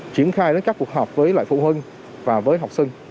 triển khai đến các cuộc họp với lại phụ huynh và với học sinh